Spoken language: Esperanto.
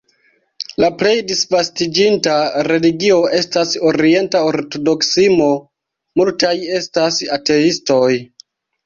La plej disvastiĝinta religio estas orienta ortodoksismo, multaj estas ateistoj.